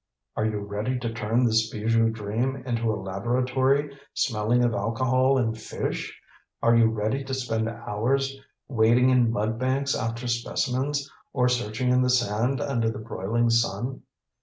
"Are you ready to turn this bijou dream into a laboratory smelling of alcohol and fish? Are you ready to spend hours wading in mudbanks after specimens, or scratching in the sand under the broiling sun?